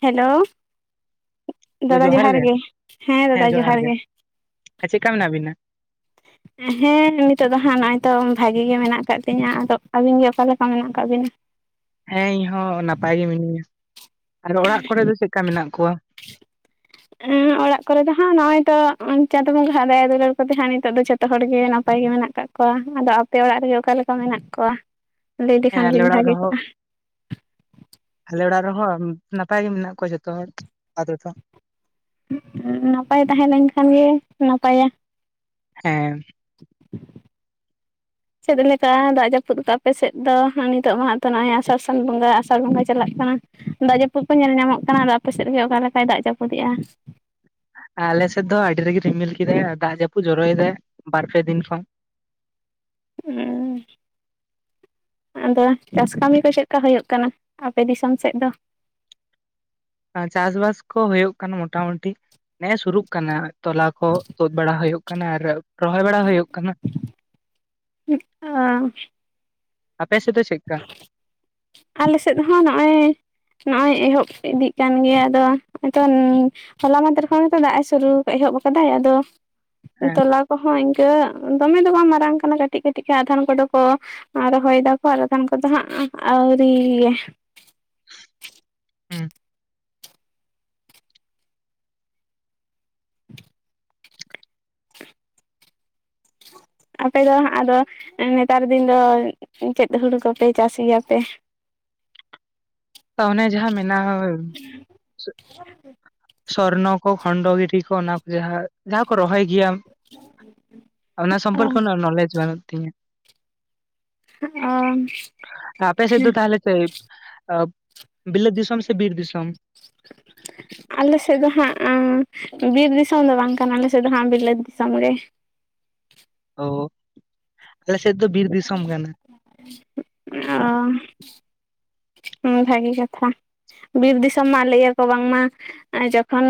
Hello ᱤᱭᱟᱹ ᱡᱚᱦᱟᱨ ᱜᱮ ᱦᱮᱸ ᱡᱚᱦᱟᱨ ᱜᱮ ᱪᱮᱫᱠᱟ ᱢᱮᱱᱟᱜ ᱵᱤᱱᱟ? ᱦᱮᱸ ᱱᱤᱛᱳᱜ ᱫᱚ ᱦᱟᱸᱜ ᱱᱚᱜᱼᱚᱭ ᱛᱚ ᱵᱷᱟᱜᱮ ᱜᱮ ᱢᱮᱱᱟᱜ ᱟᱠᱟᱫ ᱞᱤᱧᱟᱹ ᱟᱫᱚ ᱟᱹᱵᱤᱱ ᱜᱮ ᱚᱠᱟᱞᱮᱠᱟ ᱢᱮᱱᱟᱜ ᱠᱟᱜ ᱵᱤᱱᱟ? ᱦᱮᱸ ᱤᱧ ᱦᱚᱸ ᱱᱟᱯᱟᱭ ᱜᱮ ᱢᱤᱱᱟᱹᱧᱟ, ᱟᱨ ᱚᱲᱟᱜ ᱠᱚᱨᱮ ᱫᱚ ᱪᱮᱫᱠᱟ ᱢᱮᱱᱟᱜ ᱠᱚᱣᱟ? ᱚᱲᱟᱜ ᱠᱚᱨᱮ ᱫᱚ ᱦᱟᱸᱜ ᱱᱚᱜᱼᱚᱭ ᱛᱚ ᱪᱟᱸᱫ ᱵᱚᱸᱜᱟ ᱦᱟᱸᱜ ᱫᱟᱭᱟ ᱫᱩᱞᱟᱹᱲ ᱠᱚᱛᱮ ᱦᱟᱸᱜ ᱱᱤᱛᱚᱜ ᱫᱚ ᱡᱚᱛᱚ ᱦᱚᱲᱜᱮ ᱱᱟᱯᱟᱭ ᱜᱮ ᱢᱮᱱᱟᱜ ᱟᱠᱟᱫ ᱠᱚᱣᱟ, ᱟᱫᱚ ᱟᱯᱮ ᱚᱲᱟᱜ ᱨᱮᱜᱮ ᱚᱠᱟ ᱞᱮᱠᱟ ᱢᱮᱱᱟᱜ ᱠᱚᱣᱟ? ᱞᱟᱹᱭ ᱦᱮᱸ ᱞᱮᱠᱷᱟᱱ ᱟᱞᱮ ᱵᱤᱱ ᱚᱲᱟᱜ ᱵᱷᱟᱜᱮ ᱨᱮᱦᱚᱸ ᱠᱚᱜᱼᱟ ᱟᱞᱮ ᱚᱲᱟᱜ ᱨᱮᱦᱚᱸ ᱱᱟᱯᱟᱭ ᱜᱮ ᱢᱮᱱᱟᱜ ᱠᱚᱣᱟ ᱡᱷᱚᱛᱚ ᱦᱚᱲ ᱟᱯᱟᱛᱚᱛᱚ ᱾ ᱱᱟᱯᱟᱭ ᱛᱟᱦᱮᱸ ᱞᱮᱱᱠᱷᱟᱱ ᱜᱮ ᱱᱟᱯᱟᱭᱟ ᱾ ᱦᱮᱸ ‍ᱻ‍ ᱪᱮᱫ ᱞᱮᱠᱟ ᱫᱟᱜ ᱡᱟᱹᱯᱩᱫ ᱠᱟᱜᱼᱟ ᱟᱯᱮᱥᱮᱫ ᱫᱚ? ᱱᱤᱛᱚᱜ ᱢᱟ ᱦᱟᱸᱜ ᱛᱚ ᱱᱚᱜᱼᱚᱭ ᱟᱥᱟᱲ ᱥᱟᱱ ᱵᱚᱸᱜᱟ ᱟᱥᱟᱲ ᱵᱚᱸᱜᱟ ᱪᱟᱞᱟᱜ ᱠᱟᱱᱟ ᱫᱟᱜ ᱡᱟᱹᱯᱩᱫ ᱠᱚ ᱧᱮᱞ ᱧᱟᱢᱚᱜ ᱠᱟᱱᱟ ᱟᱫᱚ ᱟᱯᱮ ᱥᱮᱫ ᱜᱮ ᱚᱠᱟ ᱞᱮᱠᱟᱭ ᱫᱟᱜ ᱡᱟᱹᱯᱩᱫᱮᱜᱼᱟ? ᱟᱞᱮ ᱥᱮᱫ ᱫᱚ ᱟᱹᱰᱤ ᱨᱟᱜᱤ ᱨᱤᱢᱤᱞ ᱠᱮᱫᱟᱭ ᱫᱟᱜ ᱡᱟᱹᱯᱩ ᱡᱚᱨᱚᱭᱮᱫᱟᱭ ᱵᱟᱨ ᱯᱮ ᱫᱤᱱ ᱠᱷᱚᱱ ᱾ ᱩᱸ ᱟᱫᱚ ᱪᱟᱥ ᱠᱟᱹᱢᱤ ᱠᱚ ᱪᱮᱫᱠᱟ ᱦᱩᱭᱩᱜ ᱠᱟᱱᱟ ᱟᱯᱮ ᱫᱤᱥᱚᱢ ᱥᱮᱫ ᱫᱚ? ᱪᱟᱥ ᱵᱟᱥ ᱠᱚ ᱦᱩᱭᱩᱜ ᱠᱟᱱᱟ ᱢᱚᱴᱟ ᱢᱩᱴᱤ ᱱᱮᱜ-ᱮ ᱥᱩᱨᱩᱜ ᱠᱟᱱᱟ ᱛᱚᱞᱟ ᱠᱚ ᱵᱟᱲᱟ ᱦᱩᱭᱩᱜ ᱠᱟᱱᱟ ᱟᱨ ᱨᱚᱦᱚᱭ ᱵᱟᱲᱟ ᱦᱩᱭᱩᱜ ᱠᱟᱱᱟ ᱾ ᱟᱯᱮᱥᱮᱫ ᱫᱚ ᱪᱮᱫ ᱠᱟ? ᱟᱞᱮ ᱥᱮᱫ ᱦᱚᱸ ᱱᱚᱜᱼᱚᱭ ᱱᱚᱜᱼᱚᱭ ᱮᱦᱚᱵ ᱤᱫᱤᱜ ᱠᱟᱱ ᱜᱮᱭᱟ ᱟᱫᱚ ᱟᱫᱚ [unintelligible] ᱦᱚᱞᱟ ᱢᱟᱫᱷᱮᱨ ᱠᱷᱚᱱ ᱜᱮᱛᱚ ᱫᱟᱜ ᱮ ᱥᱩᱨᱩ ᱮᱦᱚᱵ ᱠᱟᱫᱟᱭ ᱟᱫᱚ ᱦᱮᱸ ᱛᱚᱞᱟ ᱠᱚᱦᱚᱸ ᱤᱱᱠᱟᱹ ᱫᱚᱢᱮ ᱫᱚ ᱵᱟᱝ ᱢᱟᱨᱟᱝ ᱠᱟᱱᱟ ᱠᱟᱹᱴᱤᱡ ᱠᱟᱹᱴᱤᱡ ᱜᱮ ᱟᱫᱷᱟᱱ ᱠᱚᱫᱚ ᱠᱚ ᱨᱚᱦᱚᱭ ᱫᱟ ᱠᱚ ᱟᱨ ᱟᱫᱷᱟᱱ ᱠᱚᱫᱚ ᱦᱟᱸᱜ [unintelligible] ᱟᱣᱨᱤ [unintelligible] ᱦᱩᱸ ᱻ ᱟᱯᱮ ᱫᱚ ᱦᱟᱸᱜ ᱟᱫᱚ ᱱᱮᱛᱟᱨ ᱫᱤᱱ ᱫᱚ ᱪᱮᱫ ᱦᱩᱲᱩ ᱠᱚᱯᱮ ᱪᱟᱥ ᱜᱮᱭᱟᱯᱮ? ᱚᱱᱮ ᱡᱟᱦᱟᱸ ᱢᱮᱱᱟᱜᱼᱟ [unintelligible] ᱥᱚᱨᱱᱚ ᱠᱚ ᱠᱷᱚᱸᱱᱰᱚ ᱜᱤᱨᱤ ᱠᱚ ᱚᱱᱟ ᱠᱚ ᱡᱟᱦᱟᱸ ᱡᱟᱦᱟᱸ ᱠᱚ ᱨᱚᱦᱚᱭ ᱜᱮᱭᱟ ᱚᱱᱟ ᱥᱚᱢᱯᱚᱨᱠᱮ ᱩᱱᱟᱹᱜ ᱱᱚᱞᱮᱡᱽ ᱵᱟᱹᱱᱩᱜ ᱛᱤᱧᱟ ᱾ ᱟᱯᱮ ᱥᱮᱫ ᱫᱚ ᱛᱟᱦᱞᱮ? ᱥᱮ ᱵᱤᱞᱚᱛ ᱫᱤᱥᱚᱢ ᱥᱮ ᱵᱤᱨ ᱫᱤᱥᱚᱢ? ᱟᱞᱮ ᱥᱮᱫ ᱫᱚ ᱦᱟᱸᱜ ᱮᱸ ᱵᱤᱨ ᱫᱤᱥᱚᱢ ᱫᱚ ᱵᱟᱝ ᱠᱟᱱᱟ ᱟᱞᱮ ᱥᱮᱫ ᱫᱚ ᱦᱟᱸᱜ ᱵᱤᱞᱟᱹᱛ ᱫᱤᱥᱚᱢ ᱜᱮ ᱾ ᱚ, ᱟᱞᱮ ᱥᱮᱫ ᱫᱚ ᱵᱤᱨ ᱫᱤᱥᱚᱢ ᱠᱟᱱᱟ ᱾ ᱚ ᱦᱩᱸ ᱵᱷᱟᱹᱜᱤ ᱠᱟᱛᱷᱟ ᱵᱤᱨ ᱫᱤᱥᱚᱢ ᱢᱟ ᱞᱟᱹᱭᱟ ᱠᱚ ᱵᱟᱝᱢᱟ ᱡᱚᱠᱷᱚᱱ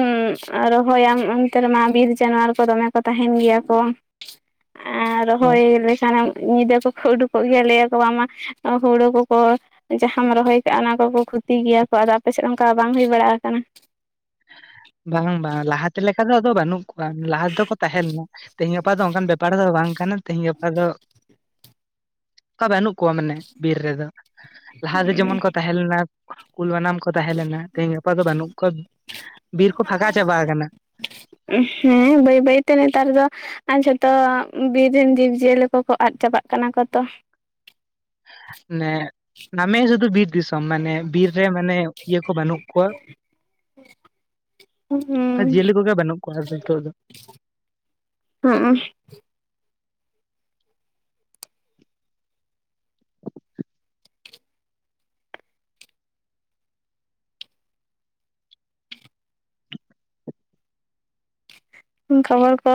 ᱨᱚᱦᱚᱭᱟᱢ ᱚᱱᱛᱮ ᱨᱮᱢᱟ ᱵᱤᱨ ᱡᱟᱱᱣᱟᱨ ᱠᱚ ᱫᱚᱢᱮ ᱠᱚ ᱛᱟᱦᱮᱱ ᱜᱮᱭᱟ ᱠᱚ ᱾ [inaudible] ᱟᱸ ᱨᱚᱦᱚᱭ ᱞᱮᱠᱷᱟᱱᱮᱢ ᱧᱤᱫᱟᱹ ᱠᱚ ᱦᱩᱰᱩᱠᱚᱜ ᱜᱮᱭᱟ ᱞᱟᱹᱭᱟᱠᱚ ᱵᱟᱝ ᱢᱟ ᱦᱩᱲᱩ ᱠᱚᱠᱚ ᱡᱟᱦᱟᱸᱢ ᱨᱚᱦᱚᱭ ᱠᱟᱜ-ᱟ ᱚᱱᱟ ᱠᱚᱠᱚ ᱠᱷᱤᱛᱤ ᱜᱮᱭᱟ ᱠᱚ, ᱟᱫᱚ ᱟᱯᱮᱥᱮᱫ ᱚᱱᱠᱟ ᱵᱟᱝ ᱦᱩᱭ ᱵᱟᱲᱟ ᱟᱠᱟᱱᱟ? ᱵᱟᱝ ᱵᱟᱝ ᱞᱟᱦᱟᱛᱮ ᱞᱮᱠᱟ ᱫᱚ ᱟᱫᱚ ᱵᱟᱹᱱᱩᱜ ᱠᱚᱣᱟ ᱞᱟᱦᱟ ᱛᱮ ᱫᱚᱠᱚ ᱛᱟᱦᱮᱸ ᱞᱮᱱᱟ ᱛᱮᱦᱤᱧ ᱜᱟᱯᱟ ᱫᱚ ᱚᱱᱠᱟᱱ [unintelligible] [unintelligible] ᱫᱚ ᱵᱟᱝ ᱠᱟᱱᱟ ᱛᱮᱹᱦᱮᱧ ᱜᱟᱯᱟ ᱫᱚ ᱚᱱᱠᱟ ᱵᱟᱹᱱᱩᱜ ᱠᱚᱣᱟ ᱢᱟᱱᱮ ᱵᱤᱨ ᱨᱮᱫᱚ ᱞᱟᱦᱟᱫᱚ ᱡᱮᱢᱚᱱ ᱠᱚ ᱛᱟᱦᱮᱸ ᱞᱮᱱᱟ ᱠᱩᱞ ᱵᱟᱱᱟᱢ ᱠᱚ ᱛᱟᱦᱮᱸ ᱞᱮᱱᱟ ᱛᱮᱦᱮᱧ ᱜᱟᱯᱟ ᱫᱚ ᱵᱟᱹᱱᱩᱜ ᱠᱚᱣᱟ ᱵᱤᱨ ᱠᱚ ᱯᱷᱟᱸᱠᱟ ᱪᱟᱵᱟ ᱟᱠᱟᱱᱟ ᱦᱮᱸ ᱵᱟᱹᱭ ᱵᱟᱹᱭᱛᱮ ᱱᱮᱛᱟᱨ ᱫᱚ ᱟᱨ ᱡᱷᱚᱛᱚ ᱵᱤᱨ ᱨᱮᱱ ᱡᱤᱵᱽ-ᱡᱤᱭᱟᱹᱞᱤ ᱠᱚᱠᱚ ᱟᱫ ᱪᱟᱵᱟᱜ ᱠᱟᱱᱟ ᱠᱚ ᱛᱚ ᱱᱮ ᱱᱟᱢᱮ ᱥᱮ ᱫᱚ ᱥᱩᱫᱦᱩ ᱵᱤᱨ ᱫᱤᱥᱚ ᱢ ᱢᱟᱱᱮ ᱵᱤᱨ ᱨᱮ ᱢᱟᱱᱮ ᱤᱭᱟᱹ ᱠᱚ ᱵᱟᱹᱱᱩᱜ ᱠᱚᱣᱟ ᱡᱤᱭᱟᱹᱞᱤ ᱠᱚᱜᱮ ᱵᱟᱹᱱᱩᱜ ᱠᱚᱣᱟ ᱱᱤᱛᱚᱜ ᱫᱚ ᱦᱚᱸᱜ-ᱚ ᱠᱷᱚᱵᱚᱨ ᱠᱚ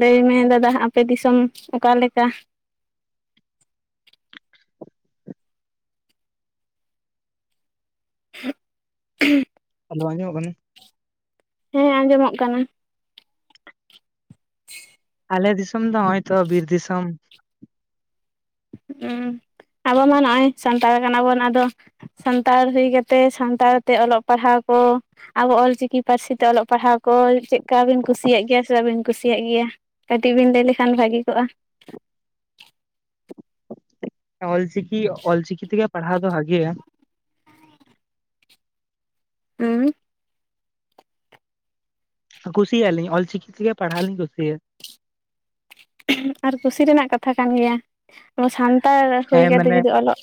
ᱞᱟᱹᱭ ᱢᱮ ᱫᱟᱫᱟ ᱟᱯᱮ ᱫᱤᱥᱚᱢ ᱚᱠᱟᱞᱮᱠᱟ [inaudible] [unintelligible] ᱦᱮᱞᱳ ᱟᱸᱡᱚᱢᱚᱜ ᱠᱟᱱᱟ ᱦᱮᱸ ᱟᱸᱡᱚᱢᱚᱜ ᱠᱟᱱᱟ ᱟᱞᱮ ᱫᱤᱥᱚᱢ ᱫᱚ ᱱᱚᱜᱚᱭ ᱛᱚ ᱵᱤᱨ ᱫᱤᱥᱚᱢ ᱦᱸ ᱟᱵᱚ ᱢᱟ ᱱᱚᱜᱼᱚᱭ ᱥᱟᱱᱛᱟᱲ ᱠᱟᱱᱟ ᱵᱚᱱ ᱟᱫᱚ ᱥᱟᱱᱛᱟᱲ ᱦᱩᱭ ᱠᱟᱛᱮᱜ ᱥᱟᱱᱛᱟᱲ ᱛᱮ ᱚᱞᱚᱜ ᱯᱟᱲᱦᱟᱣ ᱠᱚ ᱟᱵᱚ ᱚᱞᱪᱤᱠᱤ ᱯᱟᱹᱨᱥᱤ ᱛᱮ ᱚᱞᱚᱜ ᱯᱟᱲᱦᱟᱣ ᱠᱚ ᱪᱮᱫᱠᱟ ᱵᱤᱱ ᱠᱩᱥᱤᱭᱟᱜ ᱜᱮᱭᱟ ᱥᱮ ᱵᱟᱵᱤᱱ ᱠᱩᱥᱤᱭᱟᱜ ᱜᱮᱭᱟ ᱠᱟᱹᱴᱤᱡ ᱵᱤᱱ ᱞᱟᱹᱭ ᱞᱮᱠᱷᱟᱱ ᱵᱷᱟᱹᱜᱤ ᱠᱚᱜᱼᱟ ᱚᱞ ᱪᱤᱠᱤ ᱚᱞᱪᱤᱠᱤ ᱛᱮᱜᱮ ᱯᱟᱲᱦᱟᱣ ᱫᱚ ᱵᱷᱟᱜᱮᱭᱟ ᱩᱢ ᱠᱩᱥᱤᱭᱟᱜᱞᱤᱧ ᱚᱞᱪᱤᱠᱤ ᱛᱮᱜᱮ ᱯᱟᱲᱦᱟᱣ ᱞᱤᱧ ᱠᱩᱥᱤᱭᱟᱜᱼᱟ ᱟᱨ ᱠᱩᱥᱤ ᱨᱮᱱᱟᱜ ᱠᱟᱛᱷᱟ ᱠᱟᱱ ᱜᱮᱭᱟ ᱟᱵᱚ ᱥᱟᱱᱛᱟᱲ ᱦᱩᱭ ᱦᱮᱸ ᱠᱟᱛᱮ ᱢᱟᱱᱮ ᱡᱩᱫᱤ ᱚᱞᱚᱜ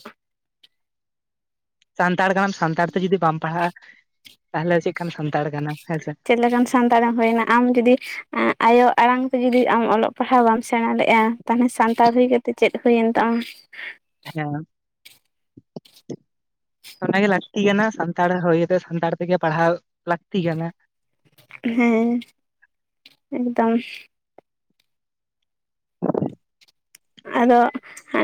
ᱥᱟᱱᱛᱟᱲ ᱠᱟᱱᱟᱢ ᱥᱟᱱᱛᱟᱲ ᱛᱮ ᱡᱩᱫᱤ ᱵᱟᱢ ᱯᱟᱲᱦᱟᱜᱼᱟ, ᱛᱟᱦᱞᱮ ᱪᱮᱫ ᱞᱮᱠᱟᱱ ᱥᱟᱱᱛᱟᱲ ᱠᱟᱱᱟᱢ? ᱦᱮᱸᱥᱮ ᱪᱮᱫ ᱞᱮᱠᱟᱱᱼᱼ ᱥᱟᱱᱛᱟᱲ ᱮᱢ ᱦᱩᱭᱮᱱᱟ ᱟᱢ ᱡᱩᱫᱤ ᱟᱭᱳ ᱟᱲᱟᱝ ᱛᱮ ᱡᱩᱫᱤ ᱟᱢ ᱚᱞᱚᱜ ᱯᱟᱲᱦᱟᱣ ᱵᱟᱢ ᱥᱮᱬᱟ ᱞᱮᱼᱟ ᱾ ᱛᱟᱦᱚᱞᱮ ᱥᱟᱱᱛᱟᱲ ᱦᱩᱭ ᱠᱟᱛᱮᱜ ᱪᱮᱫ ᱦᱩᱭᱮᱱ ᱛᱟᱢᱟ? ᱦᱮᱸᱼᱼ ᱚᱱᱟᱜᱮ ᱞᱟᱹᱠᱛᱤ ᱠᱟᱱᱟ ᱥᱟᱱᱛᱟᱲ ᱦᱩᱭ ᱟᱛᱮ ᱥᱟᱱᱛᱟᱲ ᱛᱮᱜᱮ ᱯᱟᱲᱦᱟᱣ ᱞᱟᱹᱠᱛᱤ ᱠᱟᱱᱟ ᱾ ᱦᱮᱸ ᱮᱠᱫᱚᱢ ᱾ ᱟᱫᱚᱼᱼ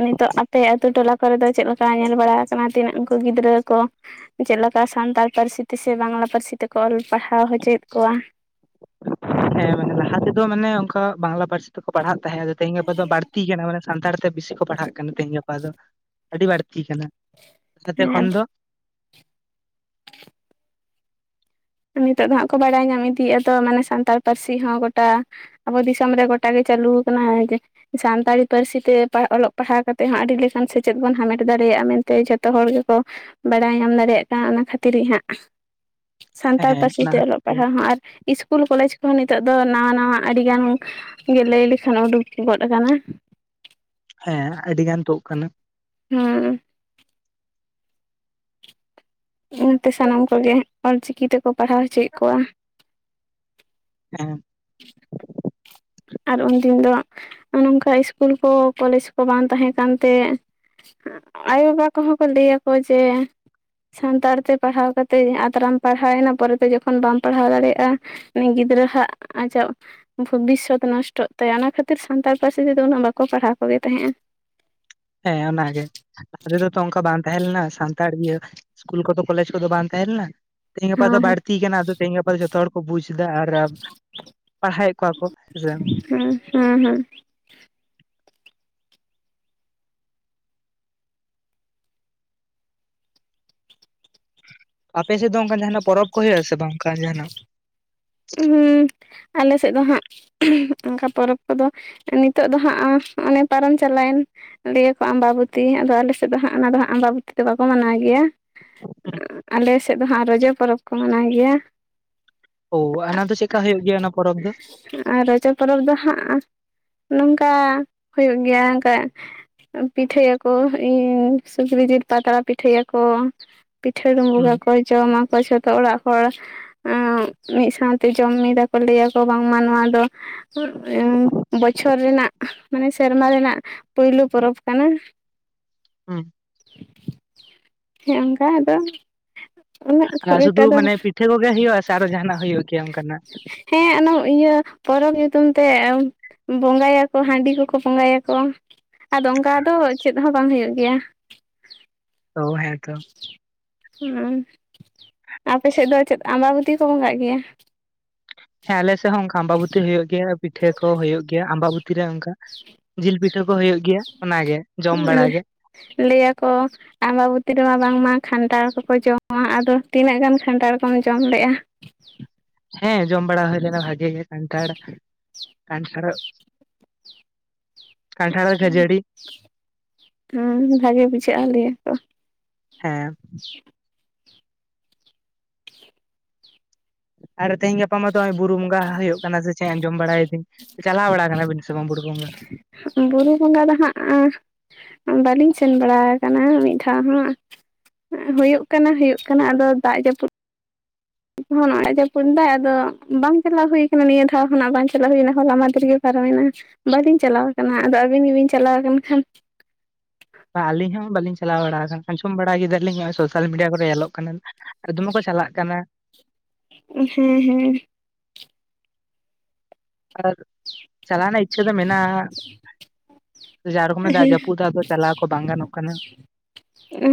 ᱱᱤᱛᱚᱜ ᱟᱯᱮ ᱟᱹᱛᱩ ᱴᱚᱞᱟ ᱠᱚᱨᱮ ᱫᱚ ᱪᱮᱫ ᱞᱮᱠᱟ ᱧᱮᱞ ᱵᱟᱲᱟ ᱠᱟᱱᱟ ᱛᱤᱱᱟᱹᱜ ᱩᱱᱠᱩ ᱜᱤᱫᱽᱨᱟᱹ ᱠᱚᱼᱼ ᱪᱮᱫᱮᱠᱟ ᱥᱟᱱᱛᱟᱲ ᱯᱟᱹᱨᱥᱤ ᱛᱮᱥᱮ ᱵᱟᱝᱞᱟ ᱯᱟᱹᱨᱥᱤ ᱛᱮᱠᱚ ᱚᱞ ᱯᱟᱲᱦᱟᱣ ᱦᱚᱪᱚᱭᱮᱫ ᱠᱚᱣᱟ ᱦᱮᱸ ᱢᱟᱱᱮ ᱞᱟᱦᱟ ᱛᱮᱫᱚ ᱢᱟᱱᱮ ᱚᱱᱠᱟ ᱵᱟᱝᱞᱟ ᱯᱟᱹᱨᱥᱤ ᱛᱮᱠᱚ ᱯᱟᱲᱦᱟᱜ ᱛᱟᱦᱮᱸᱜᱼᱟ ᱼᱼ ᱛᱮᱦᱮᱧ ᱜᱟᱯᱟ ᱫᱚ ᱵᱟᱹᱲᱛᱤ ᱠᱟᱱᱟ ᱢᱟᱱᱮ ᱥᱟᱱᱛᱟᱲ ᱛᱮ ᱵᱤᱥᱤ ᱠᱚ ᱯᱟᱲᱦᱟᱜ ᱠᱟᱱᱟ ᱛᱮᱦᱮᱧ ᱜᱟᱯᱟ ᱫᱚ ᱟᱹᱰᱤ ᱵᱟᱹᱲᱛᱤ ᱠᱟᱱᱟ ᱾ [unintelligible] ᱠᱷᱚᱱ ᱦᱮᱸ ᱫᱚᱼᱼ ᱱᱤᱛᱚᱜ ᱫᱚ ᱦᱟᱸᱜ ᱠᱚ ᱵᱟᱲᱟᱭ ᱧᱟᱢ ᱤᱫᱤᱭᱮᱫᱟ ᱛᱚ ᱢᱟᱱᱮ ᱥᱟᱱᱛᱟᱲ ᱯᱟᱹᱨᱥᱤ ᱦᱚᱸ ᱜᱚᱴᱟᱼᱼ ᱟᱵᱚ ᱫᱤᱥᱚᱢ ᱨᱮ ᱜᱚᱴᱟ ᱜᱮ ᱪᱟᱹᱞᱩ ᱟᱠᱟᱱᱟ ᱦᱮᱸ ᱡᱮ ᱾ ᱥᱟᱱᱛᱟᱲᱤ ᱯᱟᱹᱨᱥᱤ ᱛᱮ ᱚᱞᱚᱜ ᱯᱟᱲᱦᱟᱣ ᱠᱟᱛᱮᱫ ᱦᱚᱸ ᱟᱹᱰᱤ ᱞᱮᱠᱟᱱ ᱥᱮᱪᱮᱫ ᱵᱚᱱ ᱦᱟᱢᱮᱴ ᱫᱟᱲᱮᱭᱟᱜᱼᱟ ᱢᱮᱱᱛᱮ ᱡᱚᱛᱚ ᱦᱚᱲ ᱜᱮᱠᱚ ᱼᱼ ᱵᱟᱲᱟᱭ ᱧᱟᱢ ᱫᱟᱲᱮᱭᱟᱜ ᱠᱟᱱ ᱚᱱᱟ ᱠᱷᱟᱹᱛᱤᱨ ᱜᱮ ᱦᱟᱸᱜᱼᱼ ᱥᱟᱱᱛᱟᱲ ᱦᱮᱸ ᱯᱟᱹᱨᱥᱤ ᱚᱱᱟ ᱛᱮ ᱠᱷᱟᱹᱛᱤᱨ ᱚᱞᱚᱜ ᱯᱟᱲᱦᱟᱜ ᱦᱚᱸ ᱟᱨ ᱤᱥᱠᱩᱞ ᱠᱚᱞᱮᱡᱽ ᱠᱚᱦᱚᱸ ᱱᱤᱛᱚᱜ ᱫᱚ ᱱᱟᱣᱟ ᱱᱟᱣᱟ ᱟᱹᱰᱤᱜᱟᱱᱼᱼ ᱜᱮ ᱞᱟᱹᱭ ᱞᱮᱠᱷᱟᱱ ᱩᱰᱩᱠ ᱜᱚᱫ ᱟᱠᱟᱱᱟ ᱾ ᱦᱮᱸ ᱟᱹᱰᱤ ᱜᱟᱱ ᱛᱳᱫ ᱠᱟᱱᱟ ᱾ ᱦᱮᱸ ᱾ ᱚᱱᱟᱛᱮ ᱥᱟᱱᱟᱢ ᱠᱚᱜᱮ ᱚᱞᱪᱤᱠᱤ ᱛᱮᱠᱚ ᱯᱟᱲᱦᱟᱣ ᱦᱚᱪᱚᱭᱮᱫ ᱠᱚᱣᱟ ᱾ ᱦᱮᱸ ᱾ [unintelligible] ᱟᱨ ᱩᱱᱫᱤᱱ ᱫᱚ ᱱᱚᱝᱠᱟ ᱤᱥᱠᱩᱞ ᱠᱚ ᱠᱚᱞᱮᱡᱽ ᱠᱚ ᱵᱟᱝ ᱛᱟᱦᱮᱸ ᱠᱟᱱ ᱛᱮᱼᱼ ᱟᱭᱳ ᱵᱟᱵᱟ ᱠᱚᱦᱚᱸ ᱠᱚ ᱞᱟᱹᱭ ᱟᱠᱚ ᱡᱮᱼᱼ ᱥᱟᱱᱛᱟᱲ ᱛᱮ ᱯᱟᱲᱦᱟᱣ ᱠᱟᱛᱮᱫ ᱟᱛᱨᱟᱢ ᱯᱟᱲᱦᱟᱣᱮᱱᱟ ᱯᱚᱨᱮᱛᱮ ᱡᱚᱠᱷᱚᱱ ᱵᱟᱢ ᱯᱟᱲᱦᱟᱣ ᱫᱟᱲᱮᱭᱟᱜᱼᱟᱼᱼ ᱩᱱᱤ ᱜᱤᱫᱽᱨᱟᱹ ᱦᱣᱟᱜ ᱟᱡᱟᱜ ᱵᱷᱚᱵᱤᱥᱥᱚᱛᱼᱼ ᱱᱚᱥᱴᱚᱜ ᱛᱟᱭᱟ ᱚᱱᱟ ᱠᱷᱟᱹᱛᱤᱨ ᱥᱟᱱᱛᱟᱲ ᱯᱟᱹᱨᱥᱤ ᱛᱮᱫᱚ ᱩᱱᱟᱹᱜ ᱵᱟᱠᱚ ᱯᱟᱲᱦᱟᱣ ᱠᱚᱜᱮ ᱛᱟᱦᱮᱸᱫᱼᱟ ᱾ ᱦᱮᱸ ᱚᱱᱟᱜᱮ ᱾ [unintelligible] ᱚᱱᱠᱟ ᱵᱟᱝ ᱛᱟᱦᱮᱸ ᱞᱮᱱᱟ ᱥᱟᱱᱛᱟᱲ ᱤᱭᱟᱹ ᱤᱥᱠᱩᱞ ᱠᱚᱫᱚ ᱠᱚᱞᱮᱡᱽ ᱠᱚᱫᱚ ᱵᱟᱝ ᱛᱟᱦᱮᱸ ᱞᱮᱱᱟ ᱾ ᱛᱮᱦᱮᱧ ᱜᱟᱯᱟ ᱫᱚ ᱦᱮᱸ ᱦᱮᱸ ᱵᱟᱹᱲᱛᱤ ᱠᱟᱱᱟ ᱟᱫᱚ ᱛᱮᱦᱮᱧ ᱜᱟᱯᱟ ᱫᱚ ᱡᱚᱛ ᱼᱼ ᱡᱚᱛᱚ ᱦᱚᱲ ᱠᱚ ᱵᱩᱡᱽ ᱫᱟ ᱟᱨ ᱯᱟᱲᱦᱟᱣᱮᱫ ᱠᱚᱣᱟ ᱠᱚ ᱦᱮᱸᱥᱮ ᱾ ᱦᱩᱸ ᱦᱮᱸ ᱦᱮᱸ ᱾ ᱟᱯᱮ ᱥᱮᱫ ᱫᱚ ᱚᱱᱠᱟ ᱡᱟᱦᱟᱱᱟᱜ ᱯᱚᱨᱚᱵᱽ ᱠᱚ ᱦᱳᱭᱳᱜ ᱟᱥᱮ ᱵᱟᱝ ᱚᱱᱠᱟ ᱡᱟᱦᱟᱱᱟᱜ? ᱦᱩᱸ ᱟᱞᱮ ᱥᱮᱫ ᱫᱚ ᱦᱟᱸᱜᱼᱼ ᱚᱱᱠᱟ ᱯᱚᱨᱚᱵᱽ ᱠᱚᱫᱚ ᱱᱤᱛᱚᱜ ᱫᱚ ᱦᱟᱸᱜ ᱚᱱᱮ ᱯᱟᱨᱚᱢ ᱪᱟᱞᱟᱣᱮᱱᱼᱼ ᱞᱟᱹᱭ ᱟᱠᱚ ᱟᱢᱵᱟᱵᱚᱛᱤ ᱟᱫᱚ ᱟᱞᱮ ᱥᱮᱫ ᱫᱚ ᱦᱟᱸᱜ ᱚᱱᱟ ᱫᱚ ᱦᱟᱸᱜ ᱟᱢᱵᱟᱵᱚᱛᱤ ᱫᱚ ᱵᱟᱠᱚ ᱢᱟᱱᱟᱣ ᱜᱮᱭᱟ ᱾ ᱟᱞᱮᱥᱮᱫ ᱫᱚ ᱦᱟᱸᱜ ᱨᱚᱡᱚ ᱯᱚᱨᱚᱵᱽ ᱠᱚ ᱢᱟᱱᱟᱭ ᱜᱮᱭᱟ ᱾ ᱳ ᱚᱱᱟ ᱫᱚ ᱪᱮᱫᱠᱟ ᱦᱩᱭᱩᱜ ᱜᱮᱭᱟ ᱚᱱᱟ ᱯᱚᱨᱚᱵᱽ ᱫᱚ? ᱟᱨ ᱨᱚᱡᱚ ᱯᱚᱨᱚᱵᱽ ᱫᱚ ᱦᱟᱸᱜ ᱱᱚᱝᱠᱟ ᱦᱩᱭᱩᱜ ᱜᱮᱭᱟ ᱚᱱᱠᱟᱼᱼ ᱯᱤᱴᱷᱟᱹᱭᱟᱠᱚ ᱤᱭᱟᱹ ᱥᱩᱠᱨᱤ ᱡᱤᱞ ᱯᱟᱛᱲᱟ ᱯᱤᱴᱷᱟᱹᱭᱟᱠᱚ ᱾ ᱯᱤᱴᱷᱟᱹ ᱦᱩᱸ ᱰᱩᱢᱵᱩᱜᱟᱠᱚ ᱡᱚᱢᱟᱠᱚ ᱡᱚᱛᱚ ᱚᱲᱟᱜ ᱦᱚᱲᱼᱼ ᱢᱤᱫ ᱥᱟᱶᱛᱮ ᱡᱚᱢ ᱢᱤᱫ ᱟᱠᱚ ᱞᱟᱹᱭᱟᱠᱚ ᱵᱟᱝᱢᱟ ᱱᱚᱣᱟ ᱫᱚᱼᱼ ᱵᱚᱪᱷᱚᱨ ᱨᱮᱱᱟᱜ ᱢᱟᱱᱮ ᱥᱮᱨᱢᱟ ᱨᱮᱱᱟᱜᱼᱼ ᱯᱟᱹᱭᱞᱟᱹ ᱯᱚᱨᱚᱵᱽ ᱠᱟᱱᱟ ᱾ ᱦᱩᱸ ᱦᱮᱸ ᱚᱱᱠᱟ ᱟᱫᱚ ᱩᱱᱟᱹᱜ ᱠᱷᱩᱵ ᱟᱨ ᱥᱩᱫᱷᱩ ᱮᱠᱴᱟ ᱫᱚ ᱢᱟᱱᱮ ᱯᱤᱴᱷᱟᱹ ᱠᱚᱜᱮ ᱦᱩᱭᱩᱜ-ᱟ ᱥᱮ ᱟᱨᱦᱚᱸ ᱡᱟᱦᱟᱱᱟᱜ ᱦᱩᱭᱩᱜ ᱜᱮᱭᱟ ᱚᱱᱠᱟᱱᱟᱜ? ᱦᱮᱸ ᱚᱱᱟ ᱤᱭᱟᱹ ᱯᱚᱨᱚᱵᱽ ᱧᱩᱛᱩᱢ ᱛᱮ ᱵᱚᱸᱜᱟᱭᱟᱠᱚ ᱦᱟᱺᱰᱤ ᱠᱚᱠᱚ ᱵᱚᱸᱜᱟᱭᱟᱠᱚ ᱟᱫᱚ ᱚᱱᱠᱟ ᱫᱚ ᱪᱮᱫ ᱦᱚᱸ ᱵᱟᱝ ᱦᱩᱭᱩᱜ ᱜᱮᱭᱟ ᱚ ᱦᱮᱸ ᱛᱚ ᱦᱩᱸ ᱟᱯᱮ ᱥᱮᱫ ᱫᱚ ᱪᱮᱫ ᱟᱢᱵᱟᱵᱚᱛᱤ ᱠᱚ ᱵᱚᱸᱜᱟᱜ ᱜᱮᱭᱟ ᱦᱮᱸ ᱟᱞᱮᱥᱮᱫ ᱦᱚᱸ ᱚᱱᱠᱟ ᱟᱢᱵᱟᱵᱩᱛᱤ ᱦᱩᱭᱩᱜ ᱜᱮᱭᱟ ᱯᱤᱴᱷᱟᱹ ᱠᱚ ᱦᱩᱭᱩᱜ ᱜᱮᱭᱟ ᱟᱢᱵᱟᱵᱩᱛᱤ ᱨᱮ ᱚᱱᱠᱟ ᱡᱤᱞ ᱯᱤᱴᱷᱟᱹ ᱠᱚ ᱦᱩᱭᱩᱜ ᱜᱮᱭᱟ ᱚᱱᱟᱜᱮ ᱡᱚᱢ ᱵᱟᱲᱟ ᱜᱮ ᱞᱮᱹᱭᱟ ᱠᱚ ᱟᱢᱵᱟᱵᱚᱛᱤ ᱨᱮᱢᱟ ᱵᱟᱝᱢᱟ ᱠᱷᱟᱱᱴᱷᱟᱲ ᱠᱚᱠᱚ ᱡᱚᱢᱟ ᱟᱫᱚ ᱛᱤᱱᱟᱹᱜ ᱜᱟᱱ ᱠᱷᱟᱱᱴᱷᱟᱲ ᱠᱚᱢ ᱡᱚᱢ ᱞᱮᱜᱼᱟ ᱦᱮᱸ ᱡᱚᱢ ᱵᱟᱲᱟ ᱦᱩᱭ ᱞᱮᱱᱟ ᱵᱷᱟᱜᱮ ᱜᱮ ᱠᱟᱱᱴᱷᱟᱲ ᱠᱟᱱᱴᱷᱟᱲ ᱻ ᱵᱷᱟᱜᱮ ᱵᱩᱡᱷᱟᱹᱜᱼᱟ ᱞᱟᱹᱭᱟ ᱠᱚ ᱦᱮᱸ ᱟᱨ ᱛᱮᱦᱮᱧ ᱜᱟᱯᱟ ᱢᱟᱛᱚ ᱵᱩᱨᱩ ᱵᱚᱸᱜᱟ ᱦᱳᱭᱳᱜ ᱠᱟᱱᱟ ᱥᱮ ᱪᱮᱫ ᱡᱚᱢ ᱵᱟᱲᱟᱭᱮᱫᱤᱧ ᱪᱟᱞᱟᱣ ᱵᱟᱲᱟ ᱠᱟᱱᱟ ᱵᱤᱱ ᱥᱮ ᱵᱟᱝ ᱵᱩᱨᱩ ᱵᱚᱸᱜᱟ ᱵᱩᱨᱩ ᱵᱚᱸᱜᱟ ᱫᱚ ᱦᱟᱸᱜ ᱵᱟᱹᱞᱤᱧ ᱥᱮᱱ ᱵᱟᱲᱟ ᱟᱠᱟᱱᱟ ᱢᱤᱫ ᱫᱷᱟᱣ ᱦᱟᱸᱜ ᱦᱳᱭᱳᱜ ᱠᱟᱱᱟ ᱦᱳᱭᱳᱜ ᱠᱟᱱᱟ ᱟᱫᱚ ᱫᱟᱜ ᱡᱟᱹᱯᱩᱫ ᱱᱚᱜ-ᱚᱭ ᱡᱟᱹᱯᱩᱫ ᱫᱟᱭ ᱟᱫᱚ ᱵᱟᱝ ᱪᱟᱞᱟᱣ ᱦᱩᱭ ᱠᱟᱱᱟ ᱱᱤᱭᱟᱹ ᱫᱷᱟᱣ ᱦᱚᱸ ᱱᱟᱜ ᱵᱟᱝ ᱪᱟᱞᱟᱣ ᱦᱩᱭᱮᱱᱟ ᱦᱚᱞᱟ ᱢᱟᱫᱷᱮᱨ ᱜᱮ ᱯᱟᱨᱚᱢᱮᱱᱟ ᱵᱟᱹᱞᱤᱧ ᱪᱟᱞᱟᱣ ᱠᱟᱱᱟ ᱟᱫᱚ ᱟᱹᱵᱤᱱ ᱜᱮᱵᱤᱱ ᱪᱟᱞᱟᱣ ᱟᱠᱟᱱ ᱠᱷᱟᱱ ᱟᱹᱞᱤᱧ ᱦᱚᱸ ᱵᱟᱹᱞᱤᱧ ᱪᱟᱞᱟᱣ ᱵᱟᱲᱟ ᱠᱟᱱ ᱠᱷᱟᱱ ᱡᱚᱢ ᱵᱟᱲᱟ ᱠᱮᱫᱟᱞᱤᱧ ᱱᱚᱜᱼᱚᱭ ᱥᱳᱥᱟᱞ ᱢᱤᱰᱤᱭᱟ ᱠᱚᱨᱮ ᱧᱮᱞᱚᱜ ᱠᱟᱱᱟ ᱟᱨ ᱫᱚᱢᱮ ᱠᱚ ᱪᱟᱞᱟᱜ ᱠᱟᱱᱟ ᱦᱮᱸ ᱦᱮᱸ ᱟᱨ ᱪᱟᱞᱟᱣ ᱨᱮᱱᱟᱜ ᱤᱪᱪᱷᱟᱹ ᱫᱚ ᱢᱮᱱᱟᱜᱼᱟ ᱡᱟ ᱨᱚᱠᱚᱢ ᱮ ᱫᱟᱜ ᱡᱟᱹᱯᱩᱫ ᱫᱟ ᱟᱫᱚ ᱪᱟᱞᱟᱣ ᱠᱚ ᱵᱟᱝ ᱜᱟᱱᱚᱜ ᱠᱟᱱᱟ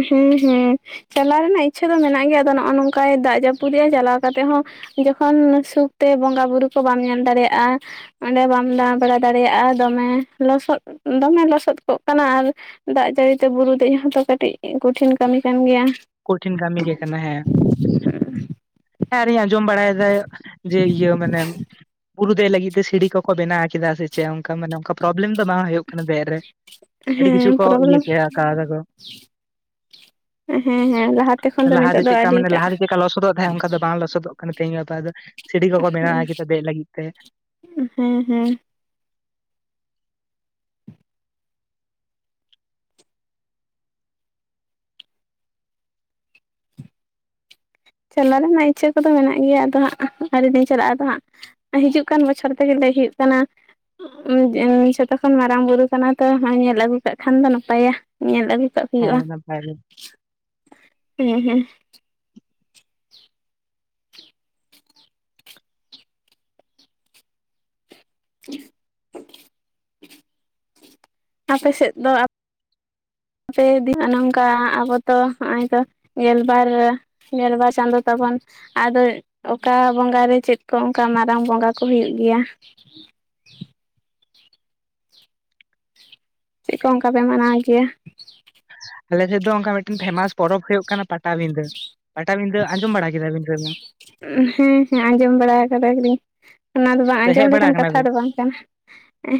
ᱦᱮᱸ ᱦᱮᱸ ᱪᱟᱞᱟᱣ ᱨᱮᱱᱟᱜ ᱤᱪᱪᱷᱟᱹ ᱫᱚ ᱢᱮᱱᱟᱜ ᱜᱮᱭᱟ ᱟᱫᱚ ᱱᱚᱜᱼᱚᱭ ᱱᱚᱝᱠᱟᱭ ᱫᱟᱜ ᱡᱟᱹᱯᱩᱫᱮᱜᱼᱟ ᱪᱟᱞᱟᱣ ᱠᱟᱛᱮᱜ ᱦᱚᱸ ᱡᱚᱠᱷᱚᱱ ᱥᱩᱠᱛᱮ ᱵᱚᱸᱜᱟ ᱵᱩᱨᱩ ᱠᱚ ᱵᱟᱢ ᱧᱟᱢ ᱫᱟᱲᱮᱭᱟᱜᱼᱟ ᱚᱸᱰᱮ ᱵᱟᱢ ᱫᱟᱬᱟ ᱵᱟᱲᱟ ᱫᱟᱲᱮᱭᱟᱜᱼᱟ ᱫᱚᱢᱮ ᱞᱚᱥᱚᱫ ᱫᱚᱢᱮ ᱞᱚᱥᱚᱫ ᱠᱚᱜ ᱠᱟᱱᱟ ᱟᱨ ᱫᱟᱜ ᱡᱟᱹᱲᱤᱛᱮ ᱵᱩᱨᱩ ᱫᱮᱡ ᱦᱚᱸᱛᱚ ᱠᱟᱹᱴᱤᱡ ᱠᱚᱴᱷᱤᱱ ᱠᱟᱹᱢᱤ ᱠᱟᱱ ᱜᱮᱭᱟ ᱠᱚᱴᱷᱤᱱ ᱠᱟᱹᱢᱤ ᱜᱮ ᱠᱟᱱᱟ ᱦᱮᱸ ᱦᱮᱸ ᱟᱨ ᱤᱧ ᱟᱸᱡᱚᱢ ᱵᱟᱲᱟᱭ ᱫᱟ ᱡᱮ ᱤᱭᱟᱹ ᱢᱟᱱᱮ ᱵᱩᱨᱩ ᱫᱮᱡ ᱞᱟᱹᱜᱤᱫ ᱛᱮ ᱥᱤᱲᱤ ᱠᱚᱠᱚ ᱵᱮᱱᱟᱣ ᱠᱮᱫᱟ ᱥᱮ ᱪᱮᱫ ᱚᱱᱠᱟ ᱢᱟᱱᱮ ᱚᱱᱠᱟ ᱯᱨᱚᱵᱞᱮᱢ ᱫᱚ ᱵᱟᱝ ᱦᱩᱭᱩᱜ ᱠᱟᱱᱟ ᱫᱮᱡ ᱨᱮ ᱟᱹᱰᱤ ᱠᱤᱪᱷᱩ ᱦᱮᱸ ᱠᱚ ᱤᱭᱟᱹ ᱯᱨᱚᱵᱞᱮᱢ ᱠᱮᱭᱟ ᱠᱟᱣ ᱫᱟᱠᱚ ᱦᱮᱸ ᱦᱮᱸ ᱞᱟᱦᱟᱛᱮ ᱠᱷᱚᱱ ᱫᱚ ᱞᱟᱦᱟ ᱛᱮ ᱱᱤᱛᱚᱜ ᱫᱚ ᱪᱮᱫᱞᱮᱠᱟ ᱢᱟᱱᱮ ᱟᱹᱰᱤᱴᱟᱜ ᱞᱟᱦᱟ ᱛᱮ ᱪᱮᱫᱮᱠᱟ ᱞᱚᱥᱚᱫᱚᱜ ᱛᱟᱦᱮᱸᱫ ᱚᱱᱠᱟ ᱫᱚ ᱵᱟᱝ ᱞᱚᱥᱚᱫᱚᱜ ᱠᱟᱱᱟ ᱛᱮᱦᱤᱧ ᱜᱟᱯᱟ ᱫᱚ ᱥᱤᱬᱤ ᱠᱚᱠᱚ ᱵᱮᱱᱟᱣ ᱠᱮᱫᱟ ᱫᱮᱡ ᱞᱟᱹᱜᱤᱫ ᱛᱮ ᱦᱮᱸ ᱦᱮᱸ ᱪᱟᱞᱟᱜ ᱨᱮᱱᱟᱜ ᱤᱪᱪᱷᱟᱹ ᱠᱚᱫᱚ ᱢᱮᱱᱟᱜ ᱜᱮᱭᱟ ᱟᱫᱚ ᱦᱟᱸᱜ ᱟᱹᱰᱤ ᱫᱤᱱ ᱪᱟᱞᱟᱜᱼᱟ ᱟᱫᱚ ᱦᱟᱸᱜ ᱦᱤᱡᱩᱜ ᱠᱟᱱ ᱵᱚᱪᱷᱚᱨ ᱛᱮᱜᱮ ᱞᱮᱭ ᱦᱩᱭᱩᱜ ᱠᱟᱱᱟ ᱱᱩᱭ ᱡᱷᱚᱛᱚ ᱠᱷᱚᱱ ᱢᱟᱨᱟᱝ ᱵᱩᱨᱩ ᱠᱟᱱᱟ ᱛᱚ ᱱᱚᱜᱚᱭ ᱧᱮᱞ ᱟᱹᱜᱩ ᱠᱟᱜ ᱠᱷᱟᱱ ᱫᱚ ᱱᱟᱯᱟᱭᱟ ᱧᱮᱞ ᱟᱹᱜᱩ ᱨᱟᱠᱟᱵ ᱦᱩᱭᱩᱜᱼᱟ ᱦᱮᱸ ᱱᱟᱯᱟᱭ ᱜᱮ ᱦᱮᱸ ᱦᱮᱸ [inaudible] ᱟᱯᱮ ᱥᱮᱫ ᱫᱚ ᱟᱯᱮ ᱫᱤᱱ ᱱᱚᱝᱠᱟ ᱟᱵᱚ ᱛᱚ ᱦᱚᱜᱼᱚᱭ ᱛᱚ ᱜᱮᱞᱵᱟᱨ ᱜᱮᱞᱵᱟᱨ ᱪᱟᱸᱫᱚ ᱛᱟᱵᱚᱱ ᱟᱫᱚ ᱚᱠᱟ ᱵᱚᱸᱜᱟ ᱨᱮ ᱪᱮᱫ ᱠᱚ ᱚᱱᱠᱟ ᱢᱟᱨᱟᱝ ᱵᱚᱸᱜᱟ ᱠᱚ ᱦᱩᱭᱩᱜ ᱜᱮᱭᱟ ᱪᱮᱫ ᱠᱚ ᱚᱱᱠᱟ ᱯᱮ ᱢᱟᱱᱟᱣ ᱜᱮᱭᱟ ᱟᱞᱮ ᱥᱮᱫ ᱫᱚ ᱚᱱᱠᱟ ᱢᱤᱫᱴᱮᱱ ᱯᱷᱮᱢᱟᱥ ᱯᱚᱨᱚᱵᱽ ᱦᱩᱭᱩᱜ ᱠᱟᱱᱟ ᱯᱟᱴᱟᱵᱤᱸᱫᱟᱹ ᱯᱟᱴᱟᱵᱤᱸᱫᱟᱹ ᱟᱸᱡᱚᱢ ᱵᱟᱲᱟ ᱠᱮᱫᱟᱵᱤᱱ ᱦᱮᱸ ᱦᱮᱸ ᱟᱸᱡᱚᱢ ᱵᱟᱲᱟ ᱠᱟᱫᱟ ᱞᱤᱧ ᱚᱱᱟ ᱫᱚ ᱵᱟᱝ ᱥᱮ ᱟᱸᱡᱚᱢ ᱦᱮᱡ ᱵᱟᱲᱟ ᱞᱮᱠᱟᱱ ᱠᱟᱱᱟ ᱠᱟᱛᱷᱟ ᱵᱤᱱ ᱫᱚ ᱵᱟᱝ ᱠᱟᱱᱟ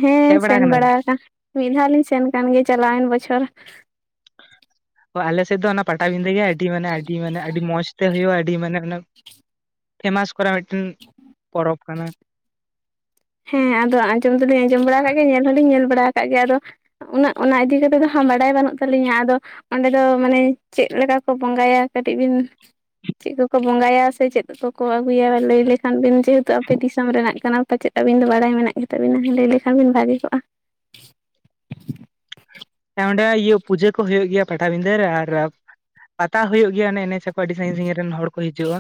ᱦᱮᱸ ᱦᱮᱡ ᱥᱮᱱ ᱠᱟᱱᱟ ᱵᱟᱲᱟ ᱟᱠᱟᱱ ᱢᱤᱫ ᱫᱷᱟᱣᱞᱤᱧ ᱥᱮᱱ ᱠᱟᱱ ᱜᱮ ᱪᱟᱞᱟᱣᱮᱱ ᱵᱚᱪᱷᱚᱨ ᱟᱞᱮ ᱥᱮᱫ ᱫᱚ ᱚᱱᱟ ᱯᱟᱴᱟᱵᱤᱸᱫᱟᱹ ᱜᱮ ᱟᱹᱰᱤ ᱢᱟᱱᱮ ᱟᱹᱰᱤ ᱢᱟᱱᱮ ᱟᱹᱰᱤ ᱢᱚᱸᱡᱽ ᱛᱮ ᱦᱩᱭᱩᱜᱼᱟ ᱟᱹᱰᱤ ᱢᱟᱱᱮ ᱯᱷᱮᱢᱟᱥ ᱠᱚᱨᱟ ᱢᱤᱫᱴᱮᱱ ᱯᱚᱨᱚᱵᱽ ᱠᱟᱱᱟ ᱦᱮᱸ ᱟᱫᱚ ᱟᱸᱡᱚᱢ ᱫᱚᱞᱤᱧ ᱟᱸᱡᱚᱢ ᱵᱟᱲᱟ ᱠᱟᱜ ᱜᱮᱭᱟ ᱧᱮᱞ ᱦᱚᱸᱞᱤᱧ ᱧᱮᱞ ᱵᱟᱲᱟ ᱠᱟᱜ ᱜᱮᱭᱟ ᱟᱫᱚ ᱩᱱᱟᱹᱜ ᱚᱱᱟ ᱤᱫᱤ ᱠᱟᱛᱮᱫ ᱫᱚ ᱦᱟᱸᱜ ᱵᱟᱰᱟᱭ ᱵᱟᱹᱱᱩᱜ ᱛᱟᱹᱞᱤᱧᱟ ᱟᱫᱚ ᱚᱸᱰᱮ ᱫᱚ ᱢᱟᱱᱮ ᱪᱮᱫ ᱞᱮᱠᱟ ᱠᱚ ᱵᱚᱸᱜᱟᱭᱟ ᱠᱟᱹᱴᱤᱡ ᱵᱤᱱ ᱪᱮᱜ ᱠᱚᱠᱚ ᱵᱚᱸᱜᱟᱭᱟ ᱥᱮ ᱪᱮᱫ ᱠᱚᱠᱚ ᱟᱹᱜᱩᱭᱟ ᱞᱟᱹᱭ ᱞᱮᱠᱷᱟᱱ ᱵᱤᱱ ᱡᱮᱦᱮᱛᱩ ᱟᱯᱮ ᱫᱤᱥᱚᱢ ᱨᱮᱱᱟᱜ ᱠᱟᱱᱟ ᱯᱟᱪᱮᱫ ᱟᱹᱵᱤᱱ ᱫᱚ ᱵᱟᱲᱟᱭ ᱢᱮᱱᱟᱜ ᱜᱮᱛᱟᱵᱤᱱᱟ ᱞᱟᱹᱭ ᱞᱮᱠᱷᱟᱱ ᱵᱤᱱ ᱵᱷᱟᱜᱤ ᱠᱚᱜᱼᱟ ᱚᱸᱰᱮ ᱤᱭᱟᱹ ᱯᱩᱡᱟᱹ ᱠᱚ ᱦᱩᱭᱩᱜ ᱜᱮᱭᱟ ᱯᱟᱴᱟᱵᱤᱫᱟᱹ ᱨᱮ ᱟᱨ ᱯᱟᱛᱟ ᱦᱳᱭᱳᱜ ᱜᱮᱭᱟ ᱚᱱᱮ ᱮᱸᱱᱮᱡ ᱟᱠᱚ ᱟᱹᱰᱤ ᱥᱟᱺᱜᱤᱧ ᱥᱟᱜᱤᱧ ᱨᱮᱱ ᱦᱚᱲ ᱠᱚ ᱦᱤᱡᱩᱜᱼᱟ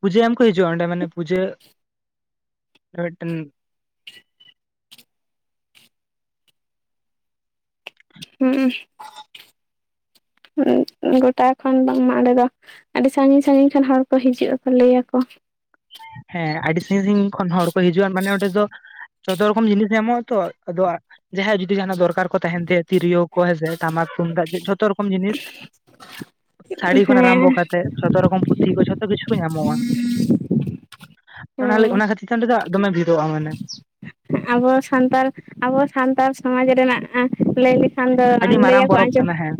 ᱯᱩᱡᱟᱹ ᱮᱢᱠᱩ ᱦᱤᱡᱩᱜᱼᱟ ᱚᱸᱰᱮ ᱢᱟᱱᱮ ᱯᱩᱡᱟᱹ ᱟᱨᱚ ᱢᱤᱫᱴᱮᱱ ᱦᱩᱸ ᱜᱚᱴᱟ ᱠᱷᱚᱱ ᱵᱟᱝᱢᱟ ᱚᱸᱰᱮ ᱫᱚ ᱟᱹᱰᱤ ᱥᱟᱹᱜᱤᱧ ᱥᱟᱹᱜᱤᱧ ᱠᱷᱚᱱ ᱦᱚᱲ ᱠᱚ ᱦᱤᱡᱩᱜ ᱟᱠᱚ ᱞᱟᱹᱭᱟᱠᱚ ᱦᱮᱸ ᱟᱹᱰᱤ ᱥᱟᱹᱜᱤᱧ ᱥᱟᱹᱜᱤᱧ ᱠᱷᱚᱱ ᱦᱚᱲ ᱠᱚ ᱦᱤᱡᱩᱜᱼᱟ ᱢᱟᱱᱮ ᱚᱸᱰᱮ ᱫᱚ ᱡᱚᱛᱚᱨ ᱨᱚᱠᱚᱢ ᱡᱤᱱᱤᱥ ᱧᱟᱢᱚᱜᱼᱟ ᱛᱚ ᱟᱫᱚ ᱡᱟᱦᱟᱸᱭᱟᱜ ᱡᱩᱫᱤ ᱡᱟᱦᱟᱸᱱᱟᱜ ᱫᱚᱨᱠᱟᱨ ᱠᱚ ᱛᱟᱦᱮᱸᱱ ᱛᱮ ᱛᱤᱨᱭᱳ ᱠᱚ ᱦᱮᱸᱥᱮ ᱴᱟᱢᱟᱠ ᱛᱩᱢᱫᱟᱜ ᱡᱷᱚᱛᱚ ᱨᱚᱠᱚᱢ ᱡᱤᱱᱤᱥ ᱥᱟᱹᱲᱤ ᱦᱮᱸ ᱠᱷᱚᱱ ᱟᱨᱟᱢᱵᱚ ᱠᱟᱛᱮ ᱡᱷᱚᱛᱚ ᱨᱚᱠᱚᱢ ᱯᱩᱛᱷᱤ ᱠᱚ ᱡᱷᱚᱛᱚ ᱠᱤᱪᱷᱩ ᱧᱟᱢᱚᱜᱼᱟ ᱚᱱᱟᱞ ᱦᱮᱸ ᱚᱱᱟ ᱠᱷᱟᱹᱛᱤᱨ ᱚᱸᱰᱮ ᱫᱚ ᱫᱚᱢᱮ ᱵᱷᱤᱲᱚᱜᱼᱟ ᱢᱟᱱᱮ ᱟᱵᱚ ᱥᱟᱱᱛᱟᱲ ᱟᱵᱚ ᱥᱟᱱᱛᱟᱲ ᱥᱚᱢᱟᱡᱽ ᱨᱮᱱᱟᱜ ᱞᱟᱹᱭ ᱞᱤᱠ ᱠᱷᱟᱱ ᱫᱚ ᱟᱹᱰᱤ ᱢᱟᱨᱟᱝ ᱞᱟᱹᱭᱟᱠᱚ ᱯᱚᱨᱚᱵᱽ ᱟᱸᱡᱚᱢ ᱠᱟᱱᱟ ᱦᱮᱸ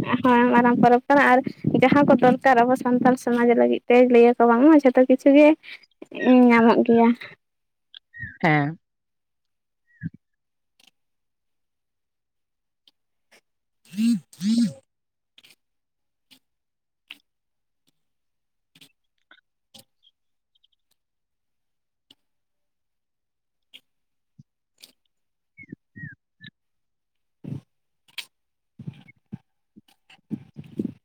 ᱢᱟᱨᱟᱝ ᱯᱚᱨᱚᱵᱽ ᱠᱟᱱᱟ ᱟᱨ ᱡᱟᱦᱟᱸ ᱠᱚ ᱫᱚᱨᱠᱟᱨ ᱟᱵᱚ ᱥᱟᱱᱛᱟᱲ ᱥᱚᱢᱟᱡᱽ ᱞᱟᱹᱜᱤᱫ ᱛᱮᱭ [unintelligible] [unintelligible] ᱡᱷᱚᱛᱚ ᱠᱤᱪᱷᱩ ᱜᱮ ᱧᱟᱢᱚᱜ ᱜᱮᱭᱟ ᱦᱮᱸ [inaudible] [inaudible]